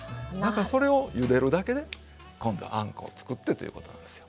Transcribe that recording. それをゆでるだけで今度はあんこを作ってということなんですよ。